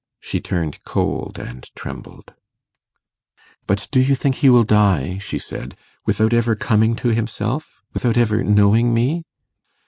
She turned cold, and trembled. 'But do you think he will die,' she said, 'without ever coming to himself? without ever knowing me?